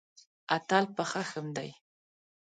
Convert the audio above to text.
اتل په خښم دی.